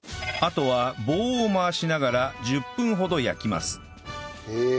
あとは棒を回しながら１０分ほど焼きますへえ